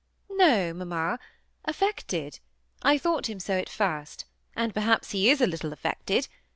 '' No, mamma, affected. I thought him so at first ; and perhaps he is a little affected.